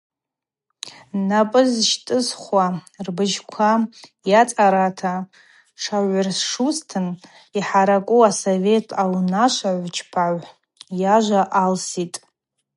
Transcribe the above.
Напӏы щтӏызхквауа рбыжьква йацъарата тшагӏвыршузтын Йхӏаракӏу асовет Аунашвачпагӏв йажва алситӏ.